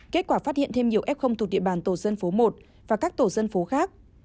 kết quả phát hiện thêm nhiều f thuộc địa bàn tổ dân phố một và các tổ dân phố khác